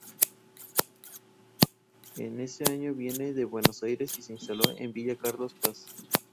En ese año viene de Buenos Aires y se instala en Villa Carlos Paz.